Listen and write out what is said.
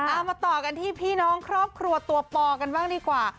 เอามาต่อกันที่พี่น้องครอบครัวตัวปอกันบ้างดีกว่า